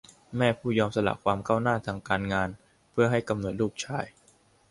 แม่ผู้ยอมสละความก้าวหน้าทางการงานเพื่อให้กำเนิดลูกชาย